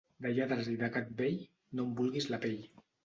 De lladres i de gat vell, no en vulguis la pell.